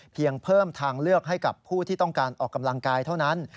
เพียงเพิ่มทางเลือกให้กับผู้ที่ต้องการออกกำลังกายเท่านั้น